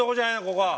ここは。